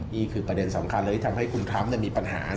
นี่คือประเด็นสำคัญเลยที่ทำให้คุณทรัมป์มีปัญหา